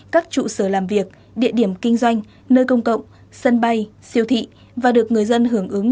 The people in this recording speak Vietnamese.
các trụ sở làm việc địa điểm kinh doanh nơi công cộng sân bay siêu thị và được người dân hưởng ứng